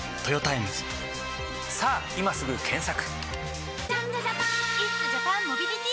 さぁ今すぐ検索！